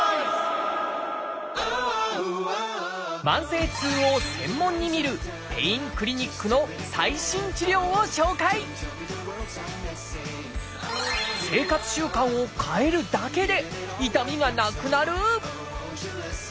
慢性痛を専門に診る「ペインクリニック」の最新治療を紹介生活習慣を変えるだけで痛みがなくなる！？